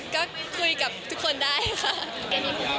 ก็คุยกับทุกคนได้ค่ะ